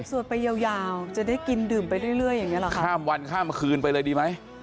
สวดไปยาวยาวจะได้กินดื่มไปเรื่อยอย่างเงี้เหรอคะข้ามวันข้ามคืนไปเลยดีไหม